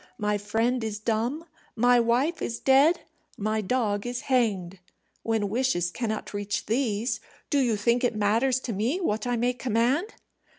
My friend is dumb, my wife is dead, my dog is hanged. When wishes cannot reach these, do you think it matters to me what I may command?"